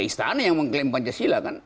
istana yang mengklaim pancasila kan